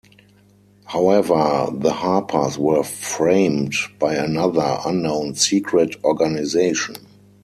However, the Harpers were framed by another, unknown, secret organization.